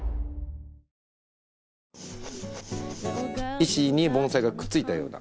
石に盆栽がくっついたような。